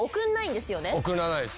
送らないです。